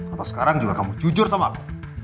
atau sekarang juga kamu jujur sama aku